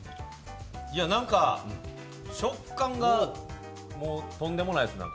なんか、食感がもうとんでもないです。